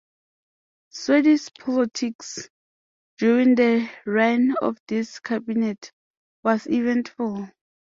Swedish politics during the reign of this cabinet was eventful.